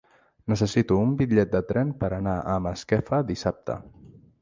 Necessito un bitllet de tren per anar a Masquefa dissabte.